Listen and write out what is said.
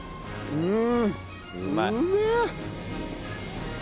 うん。